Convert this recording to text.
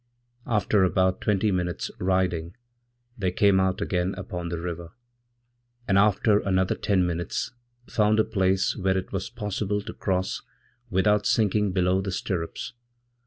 After about twenty minutes' riding they came out againupon the river, and after another ten minutes found a place where itwas possible to cross without sinking below the stirrups.